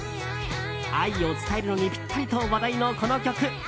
愛を伝えるのにピッタリと話題のこの曲。